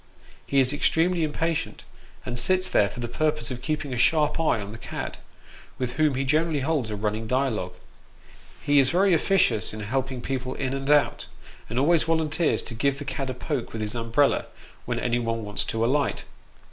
He is extremely impatient, and sits there for the purpose of keeping a sharp eye on the cad, with whom he generally holds a running dialogue. He is very officious in helping people in and out, and always volunteers to give the cad a poke with his umbrella, when anyone wants to alight.